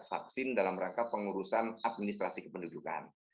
jadi tidak ada sertifikat vaksin dalam rangka pengurusan administrasi kependudukan